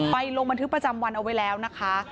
ลงบันทึกประจำวันเอาไว้แล้วนะคะ